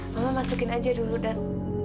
mama masukin aja dulu dan